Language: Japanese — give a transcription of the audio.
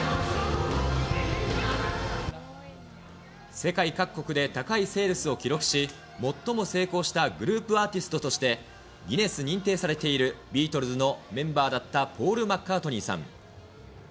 世界各国で高いセールスを記録し、最も成功したグループアーティストとして、ギネスに認定されているビートルズのメンバーだったポール・マッカートニーさん。